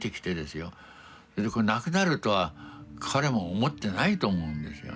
これなくなるとは彼も思ってないと思うんですよね。